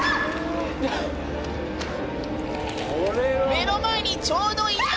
目の前にちょうどいた！